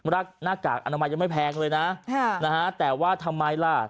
หน้ากากอนามัยยังไม่แพงเลยนะแต่ว่าทำไมล่ะ